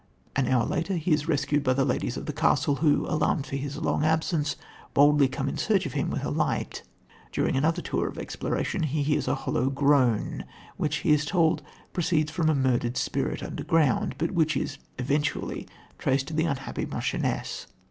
An hour later he is rescued by the ladies of the castle, who, alarmed by his long absence, boldly come in search of him with a light. During another tour of exploration he hears a hollow groan, which, he is told, proceeds from a murdered spirit underground, but which is eventually traced to the unhappy marchioness.